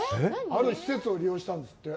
ある施設を利用したんですって。